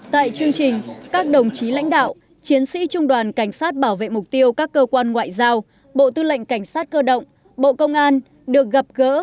tại chương trình các đồng chí lãnh đạo chiến sĩ trung đoàn cảnh sát bảo vệ mục tiêu các cơ quan ngoại giao bộ tư lệnh cảnh sát cơ động bộ công an được gặp gỡ